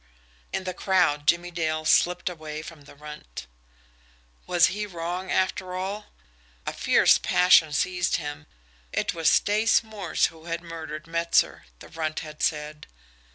In the crowd Jimmie Dale slipped away from the Runt. Was he wrong, after all? A fierce passion seized him. It was Stace Morse who had murdered Metzer, the Runt had said.